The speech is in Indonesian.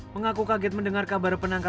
mengaku kaget mendengar kabar penangkapan